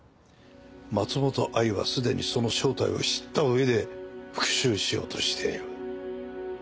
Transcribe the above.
松本藍はすでにその正体を知ったうえで復讐しようとしている。